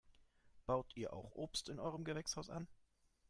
Baut ihr auch Obst in eurem Gewächshaus an?